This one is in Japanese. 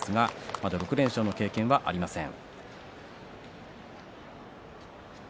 まだ６連勝の経験がありません。